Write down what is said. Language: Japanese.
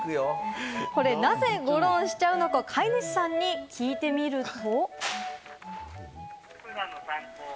これ、なぜごろんしちゃうのか飼い主さんに聞いてみると。